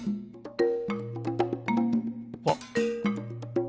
あっ！